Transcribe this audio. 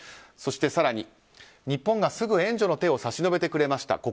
そして更に、日本がすぐ援助の手を差し伸べてくれました。